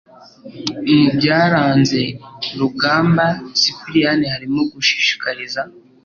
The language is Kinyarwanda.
Mu byaranze Rugamba Sipiriyani harimo gushishikariza